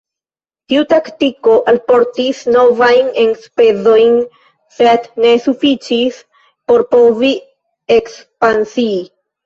Tiu taktiko alportis novajn enspezojn, sed ne sufiĉis por povi ekspansii.